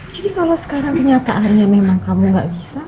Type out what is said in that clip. jadi kalau sekarang kenyataannya memang kamu gak bisa